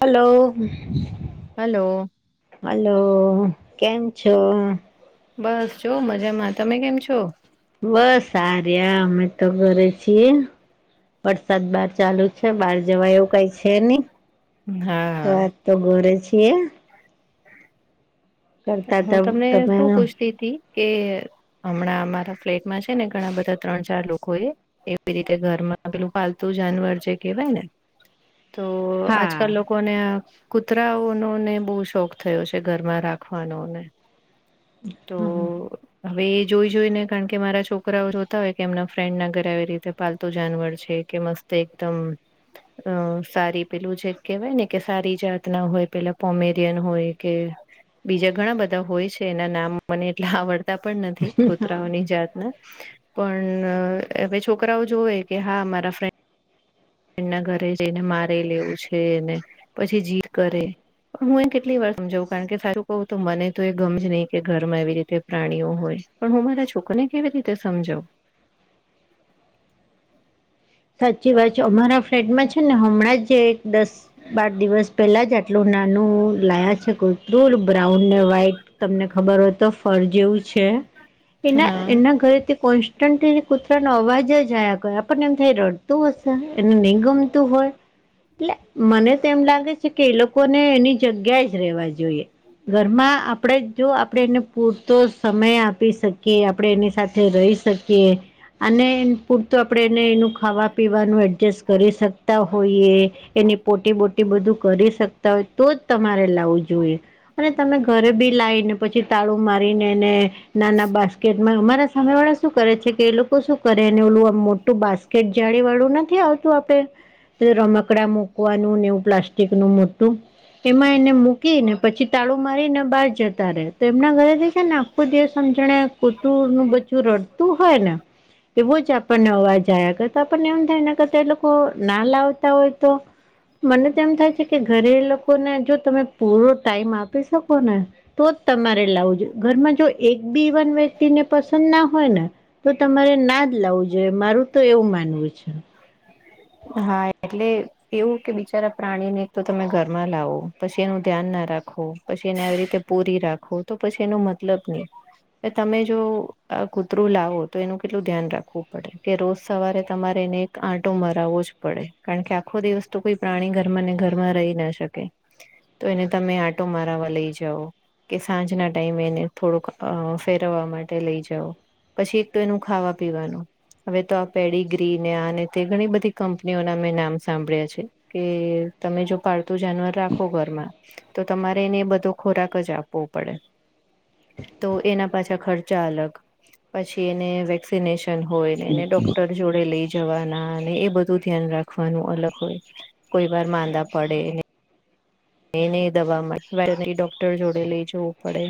હાલો. Hello. Hello કેમ છો? બસ જો મજામાં તમે કેમ છો? બસ આર્યા અમે તો ઘરે છીએ વરસાદ બહાર ચાલુ છે, બહાર જવા એવું કઈ છે, ની હા. તો ઘરે છીએ કરતા હું તમને તમે શું પૂછતીતી કે અમણાં અમારા ફ્લેટમાં છે, ને ઘણા બધા ત્રણ ચાર લોકો એ એવી રીતે ઘરમાં પેલું પાલતુ જાનવર જે કહેવાય ને તો આજકાલ હા લો કો ને કુતરાઓનો ને બો શોખ થયો છે, ઘરમાં રાખવાનોને તો હવે એ જોઈ જોઈ ને કારણ કે મારા છોકરાઓ જોતા હોય કે એમના ફ્રેન્ડના ઘરે આવી રીતે પાલતું જાનવર છે, કે મસ તે એકદમ અ સારી પેલું જે કેહેવાય ને કે સારી જાતના હોય પેલા પોમેરિયન હોય કે બીજા ઘણા બધા હોય છે, એના નામ મને એટલા આવડતા પણ નથી કુતરાઓની જાતને પણ અવે છોકરાઓ જોવે કે હા મારા ફ્રે ના ધરે જઈને મારે લેવું છે ને પછી જીદ કરે હું એ કેટલી વાર સમજાવું કારણ કે સારું ક‌ઉ તો મને તો એ ગમ જ ન‌ય કે ઘરમાં એવી રીતે પ્રાણીઓ હોય પણ હું મારા છોકને કેવી રીતે સમજાવુ? સાચી વાત છે અમારા ફ્લેટમાં છે, ને હમણાં જ એક દસ બાર દિવસ પેલા જ આટલું નાનું લાયા છે, કુતરુ બ્રાઉન ને વ્હાઈ તમને ખબર હોય તો ફર જેવું છે. એના હા એના ઘરેથી કોન્સ્ટન્ટલી કૂતરાનો અવાજ જ આવયા [unintelligible] થાય રડતું હશે એને ન‌ઈ ગમતું હોય એટલે મને તો એમ લાગે છે, કે એ લોકોને એની જગ્યા જ રેવા જોઈએ. ઘરમાં આપણેે જો આપણેે એને પૂરતો સમય આપી શ કીયે આપણેે એની સાથે રહી શકીએ અને પૂરત આપડે એને એનું ખાવા પીવાનું એડજસ્ટ કરી શકતા હોઈએ. એની પોટી બોટી બધું કરી શકતા હોય તો જ તમારે લાવવું જોએ. અને તમે ઘરે બી લાવને પછી તાળું મારીને નાના બાસ્કેટમાં અમારા સામે વાળા શું કરે છે, કે એ લોકો શું કરે ને એલું આમ મોટું બાસ કેટ જાળી વાળું નથી આવતું આપડે રમકડા મુકવાનું ને એવું પ્લાસ્ટિકનું મોટું એમાં એને મૂકીને પછી તાળું મારીને બહાર જતા રહેે તેમના ઘરેથી છેને [unintelligible] જે સમજણે કૂતુંર નું બચુ રડતું હોય ને એવો જ આપણને અવાજ આયા તો તો આપણને એમ થાય ને કે તે લોકો ના લાવતા હોય તો મને તો એમ થાય છે, કે ઘરે લોકોને જો તમે પૂરો ટાઈમ આપી શકો ને તો જ તમારે લાવુંજ ઘરમાં જો એક બી વન વ્યક્તિને પસંદ ના હોય ને તો તમારે નાજ લાવવું જોઈએ મારું તો એવું માનવું છે. હા એટલે એવું કે બિચારા પ્રાણીને તો તમે ઘરમાં લાવો પછી એનું ધ્યાન ના રાખો પછી એને આવી રીતે પૂરી રાખવો તો પછી એનો મતલબની તો તમે જો આ કૂતરું લાવો તો એનું કેટલું ધ્યાન રાખવું પડે કે રોજ સવારે તમારે એને આંટો મરાવવો જ પડે કારણ કે આખો દિવસ તો કોઈ પ્રાણી ઘરમાંને ઘરમાં રહી ના શકે તો એને તમે આંટો મારાવા લઈ જાઓ કે સાંજના ટાઈમે એને થોડોક અ ફેરવવા માટે લઈ જાવ પછી એક તો એનું ખાવા પીવાનું હવે તો આ પેડી ગ્રીને આને તે ઘણી બધી કંપનીઓના મેં નામ સાંભળ્યા છે. કે તમે જો પાળતું જાનવર રાખો ઘરમાં તો તમારે એને બધો ખોરાક જ આપવો પડે તો એના પાછા ખર્ચા અલગ પછી એને વેક્સિનેશન હોય ને એને ડોક્ટર જોડે લઈ જવાના ને એ બધું ધ્યાન રાખવાનું અલગ હોય કોઈ વાર માંદા પડે એને એ દવા માટે [unintelligible] ડોક્ટર જોડે લઈ જવું પડે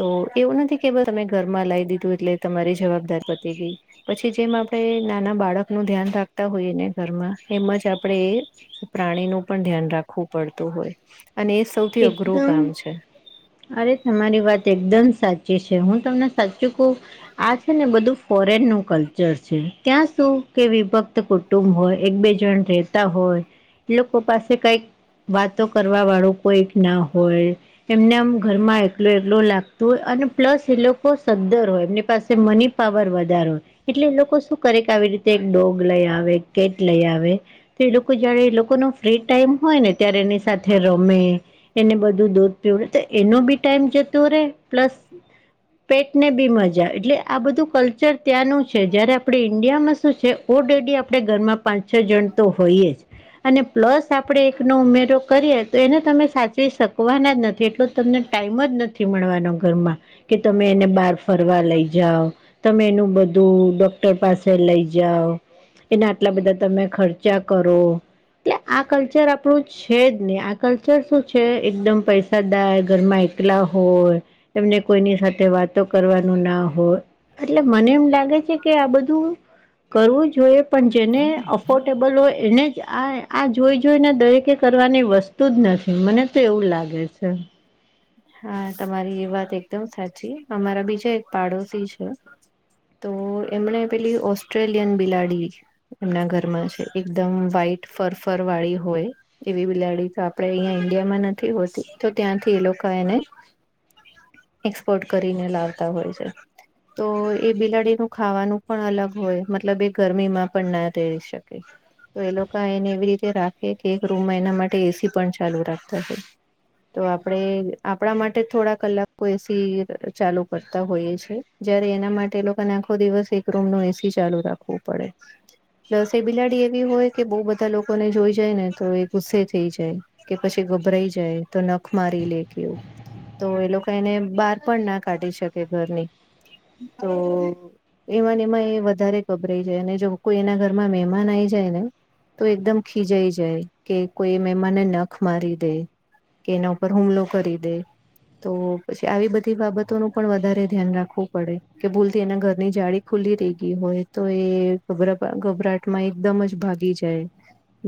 તો એવું નથી કે તમે ઘરમાં લાવી દીધું એટલે તમારી જવાબદાર પતી ગઈ પછી જેમ આપણે નાના બાળકનું ધ્યાન રાખતા હોઈએ ને ઘરમાં એમ જ આપણે પ્રાણીનું પણ ધ્યાન રાખવું પડતું હોય અને એ સૌથી અઘરું એકદમ કામ છે અરે તમારી વાત એકદમ સાચી છે, હું તમને સાચું કહું આ છે, ને બધું ફોરેન નું કલ્ચર છે, ત્યાં શું કે વિભક્ત કુ ટૂબ હોય એક બે જણ રહેતા હોય એ લોકો પાસે કંઈક વાતો કરવા વાળું કોઈક ના હોય એમને આમ ઘરમાં એકલુ એકલુ લાગતું હોય અને પ્લસ એ લોકો સદ્દર હોય એમની પાસે મની પાવર વધારો એટલે એ લોકો શું કરે કે આવી રીતે ડોગ લઈ આવે કેટ લઈ આવે તો એ લોકો જયારે એ લોકોનો ફ્રી ટાઈમ હોય ને ત્યારે એની સાથે રમે એને બધું દોધ પીવ તો એનો બી ટાઈમ જતો રહેે પ્લસ પેટને બી મજા એટલે આ બધું કલ્ચર ત્યાંનું છે, જયારે આપણે ઈન્ડિયામાં શું છે. ઓ ડેડી આપણે ઘરમાં પાંચ છ જણ તો હોઈએ જ અને પ્લસ આપડે એકનો ઉમેરો કરીએ તો એને તમે સાચવી શકવાના જ નથી એટલો તમને ટાઈમ જ નથી મળવાનો ઘરમાં કે તમે એને બહાર ફરવા લઈ જાવ તમે એનું બધું ડોક્ટર પાસે લઈ જાવ એના આટલા બધા તમે ખર્ચા કરો એટકે આ કલ્ચર આપણું છે, જ નહી આ કલ્ચર શું છે, એકદમ પૈસા દાય ઘરમાં એકલા હોય એમને કોઈની સાથે વા તો કરવાનું ના હોય એટલે મને એમ લાગે છે, કે આ બધું કરવું જોઈએ પણ જેને અફ ફોર્ટેબલ હોય એને જ આ આ જોઈ જોઈને દરેકે કરવાની વસ્તુ જ ન મને તો એવું લાગે છે. હા તમારી એ વાત એકદમ સાચી અમારા બીજા એક પાડોશી છે. તો એમણે પેલી ઓસ્ટ્રેલિયન બિલાડી, એમના ઘરમાં છે, એકદમ વ્હાઈટ ફરફર વાળી હોય, એવી બિલાડી તો આપણે અહીંયા ઈન્ડિયામાં નથી હોતી તો ત્યાંથી એ લોકો એને, એક્સપોર્ટ કરીને લાવતા હોય છે. તો એ બિલાડીનું ખાવાનું પણ અલગ હોય મતલબ એ ગરમીમાં પણ ના રહી શકે. તો એ લોકો એને એવી રીતે રાખે કે એક રૂમમાં એના માટે એસી પણ ચાલુ રાખતા હોય તો આપડે, આપણા માટે થોડા કલાકો એસી ચાલુ કરતા હોઈએ છેએ જયારે એના માટે એ લોકોને, આખો દિવસ એક રૂમ નો એસી ચાલુ રાખવું પડે. પ્લસ એ બિલાડી એવી હોય કે બહુ બધા લોકોને જોઈ જાય ને તો એ ગુસ્સે થઈ જાય. કે પછી ગભરાઈ જાય તો નખ મારી લે. તો એ લોકો એને બહાર પણ ના કાઢી શકે ઘરની, તો, એમાંને એમાં એ વધારે ગભરાઈ જાય અને જો કોઈ એના ઘરમાં મહેમાન આઈ જાય ને, તો એકદમ ખીજાઈ જાય કે કોઈ મહેમાનને નખ મારી દે, કે એના ઉપર હુમલો કરી દે, તો પછી આવી બધી બાબતોનું પણ વધારે ધ્યાન રાખવું પડે કે ભૂલતી એના ઘરની જાડી, ખુલી રહી ગઈ હોય તો એ ગરા ગભરાટ માં એકદમ જ ભાગી જાય.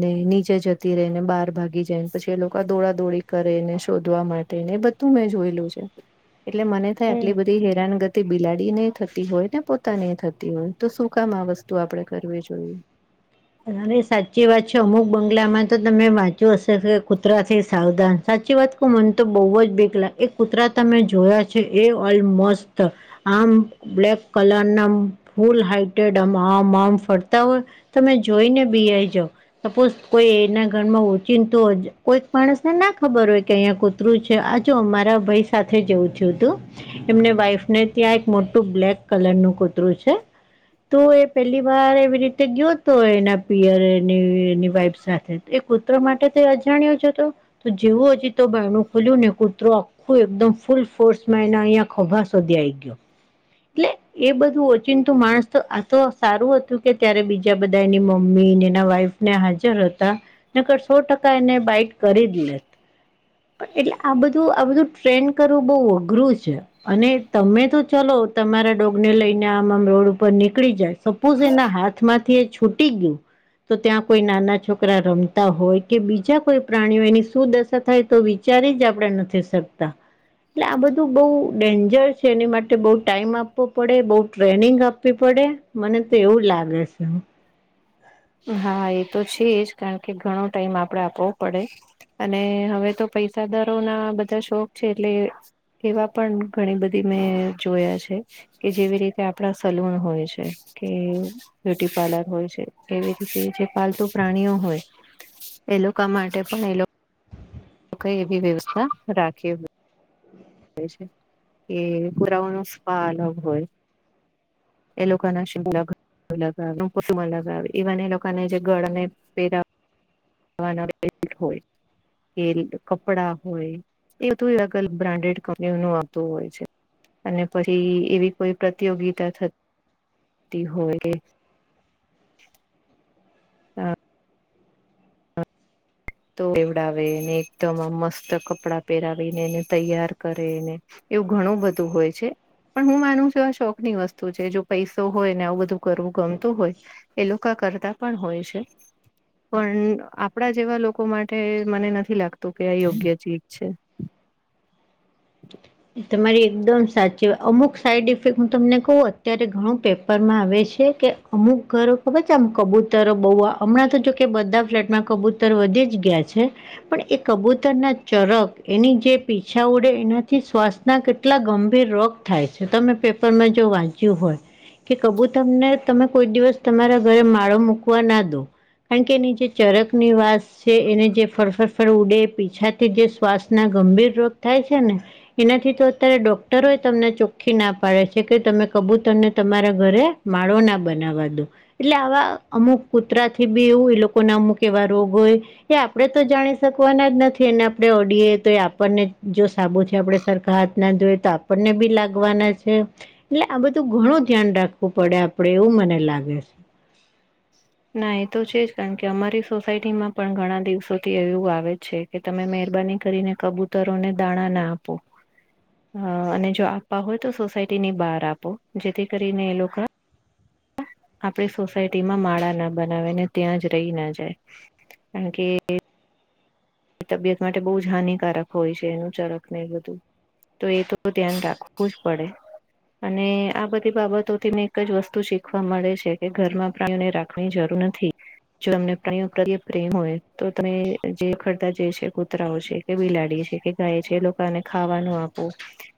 ને નીચે જતી રે ને બહાર ભાગી જાય ને પછી એ લોકો આ દોડા દોડી કરે ને શોધ વા માટે ને બધું મેં જોયેલું છે એટલે મને થાય હમ આટલી બધી, હેરાનગતિ બિલાડી થતી હોય ને પોતાની થતી હોય તો શું કામ આ વસ્તુ આપણે કરવી જોઈએ. અરે સાચી વાત છે અમુક બંગલામાં તો તમે વાંચ્યું હશે કે કુતરા થી સાવધાન સાચી વાત, મન તો બહુ જ બિકલા એ કૂતરા તમે જોયા છે એ ઓલમસ્ત આમ, બ્લેક કલર ના ફૂલ હાઈટેડ આમ આમ ફરતા હોય તમે, જોઈ ને બીઆઈ જાવ. સપોઝ કોઈ એના ઘરમાં ઓચીન તુ કોઈક માણસને ના ખબર હોય કે અહીંયા કોક [unintelligible] આ જો અમારા ભાઈ સાથે જવું થયુ તુ એમને વાઈફ ને ત્યાં એક મોટું બ્લેક કલર નું કૂતરું છે તોએ પેલી વાર એવી રીતે ગયો તો એના પિયર એની વાઈફ સાથે એ કુતરા માટે તો તે અજાણ્યો જ હતો તો જેવું હજી તો બાઈણું ખોલ્યું ને કૂતરો સુ એકદમ ફૂલ ફોર્સમાં એના અહીંયા ખભા સૂધી આ આવી ગયો એટલે એ બધું ઓચીતું માણસ તો આ તો સારું હતું કે ત્યારે બીજું ત્યાં બધા એની મમ્મી ને એના વાઈફ ને હાજર હતા નકર સો ટકા એને બાઈટ કરી જ લેત એટલે આ બધું આ બધું ટ્રેન કરવું બહુ અઘરું છે અને તમે તો ચલો તમારા ડોગને લઈને આમ આમ રોડ ઉપર નીકળી જાયસો સ્પોઝ એના હાથમાંથી એ છૂટી ગયું તો ત્યાં કોઈ નાના છોકરા રમતા હોય કે બીજા કોઈ પ્રાણીઓ એની શું દશા થાય તો વિચારી જ આપણે નથી શકતા એટલે આ બધું બહુ ડેન્જર છે એની માટે બહુ ટાઈમ આપવો આપવો પડે બહુ ટ્રેનિંગ આપવી પડે મને તો એવું લાગે છે હા એ તો છે જ કારણ કે ઘણો ટાઈમ આપણે આપવો પડે અને હવે તો પૈસાદારો ના બધા શોખ છે એટલે એવા પણ ઘણી બધી મેં જોયા છે. કે જેવી રીતે આપડા સલૂન હોય છે કે બ્યુટી પાર્લર હોય છે. કેવી રીતે જે પાલતુ પ્રાણીઓ હોય, એ લોકો માટે પણ એ લોકો તો કઈ એવી વ્યવસ્થા રાખીએ. કે પુરાવા ન સ્પા અલગ હોય. એ લોકોકના [unintelligible] લગાવ ઇવન એ લોકોને જે ગળને પેરા હોય [unintelligible] કપડા હોય એ તો અગલ બ્રાન્ડેડ કંપનીઓ ન આવતું હોય છે. અને પછી એવી કોઈ પ્રતિયોગિતા થતી તી હોય કે [inaudible] હા. તો એવડાવેને એકદમ આ મસ્ત કપડાં પહેરાવીને એને તૈયાર કરેને. એવું ઘણું બધું હોય છે. પણ હું માનું છું આ શોખ ની વસ્તુ છે જો પૈસો હોય ને આવું બધું કરવું ગમતું હોય. એ લોકો કરતા પણ હોય છે, પણ આપણા જેવા લોકો લોકો માટે મને નથી લાગતું કે આ યોગ્ય ચીજ છે. એ તમારી એકદમ સાચી અમુક સાઈડ ઇફેક્ટ હું તમને કહું અત્યારે ઘણું પેપરમાં આવે છે કે અમુક ઘરો ખબર છે આમ કબૂતરો બહુ હમણાં તો જોકે બધા ફ્લેટમાં કબૂતર વધી જ ગયા છે. પણ એ કબૂતર ના ચરક એની જે પીછા ઉડે એના થી શ્વાસના કેટલા ગંભીર રોગ થાય છે તમે પેપરમાં જો વાંચ્યું હોય. કે કબુતમને તમે કોઈ દિવસ તમારા ઘરે માળો મૂકવા ના દો. કારણ કે એની જે ચરકની વાસ છે એને જે ફરફરફર ઉડે પીછાથી જે શ્વાસ ના ગંભીર રોગ થાય છે ને. એનાથી તો અત્યારે ડોક્ટરો તમને ચોખ્ખી ના પાડે છે કે તમે કબૂતરને તમારા ઘરે માળો ના બનાવા દો. એટલે આવા અમુક કૂતરા થી બીવુ એ લોકો ના અમુક એવા રોગ હોય. એ આપડે તો જાણી શકવાના જ નથી અને આપે ઓડીએ તો એ આપણને જો સાબુથી આપડે સરખા હાથ ના ધોય તો આપણને બી લાગવાના છે. એટલે આ બધું ઘણું ધ્યાન રાખવું પડે આપડે એવું મને લાગે છે. ના એ તો છે જ કારણ કે અમારી સોસાયટીમાં પણ ઘણા દિવસોથી એવું આવે છે. કે તમે મહેરબાની કરીને કબૂતરોને દાણાં નાખો. હમ અને જો આપવા હોય તો સોસાયટીની બહાર આપો જેથી કરીને એ લોકો. આપણે સોસાયટીમાં માળા ના બનાવેને ત્યાં જ રહી ના જાય, કારણ કે તબિયત માટે બહુ જ હાનિકારક હોય છે એનું ચરક ને એ બધું. તો એ તો ધ્યાન રાખવું જ પડે. અને આ બધી બાબતોથી મેને એક જ વસ્તુ શીખવા મળે છે કે ઘરમાં પ્રાણીઓને રાખ- વી જરૂર નથી, જો એમને પ્રેમ કરીએ પ્રેમ હોય તો તમે જે. જે છે કૂતરાઓ છે કે બિલાડી છે કે ગાય છે એ લોકાને ખાવાનું આપું.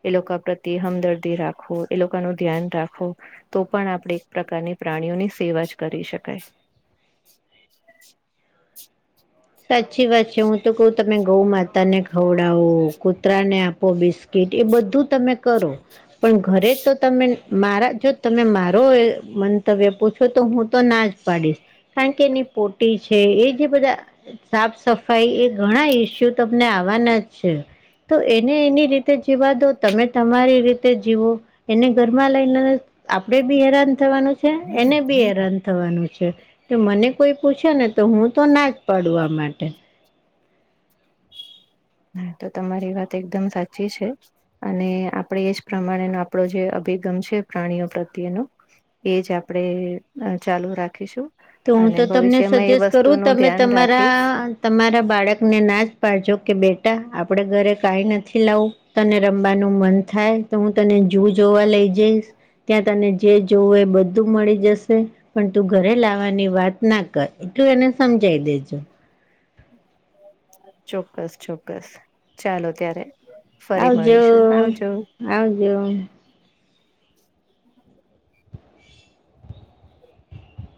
એ લોકો પ્રતિ હમ દર્દી રાખવો એ લોકોનું ધ્યાન રાખવું. તો પણ આપણે એક પ્રકારની પ્રાણીઓની સેવા જ કરી શકાય. સાચી વાત છે હું તો કઉ તમે ગૌ માતાને ખવડાવો કૂતરા ને આપો બિસ્ટ કીટ એ બધું તમે કરો, પણ ઘરે તો તમે મારા જો તમે મારો એ મંતવ્ય પૂછો તો હું તો ના જ પાડીશ. કારણ કે એની પોટી છે એ જે બધા. સાફ સફાઈ એ ઘણા ઈસ્યુ તમને આવવાના જ છે. તો એને એની રીતે જીવાદો તમે તમારી રીતે જીવો. એને ઘરમાં લઈને આપડે બી હેરાન થવાનું. છે એને બી હેરાન થવાનું છે તો મને કોઈ પૂછે ને તો હું તો ના જ. પડવા માટે. તો તમારી વાત એકદમ સાચી છે. અને આપણેે એજ પ્રમાણેનો આપણો જે અભિગમ છે પ્રાણીઓ પ્રત્યેનો. એજ આપણેે ચાલુ રાખીશું. તો હું અને તો તમને ભવિષ્યમાં એ સજેસ્ટ કરું વસ્તુનું તમે ધ્યાન તમારા. રાખીશ તમારા બાળકને ના જ પાડજો કે બેટા આપણે ઘરે કાંઈ નથી લાવું. તને રમવાનું મન થાય તો હું તને જુ જોવા લઈ જઈશ. ત્યાં તને જે જોઈએ એ બધું મળી જશે પણ તું ઘરે લાવ વાની વાત ના કર એટલું એને સમજાઈ દેજો. ચોક્કસ ચોક્કસ ચાલો ત્યારે. ફરી આવજો મળીશું આવજો. આવજો.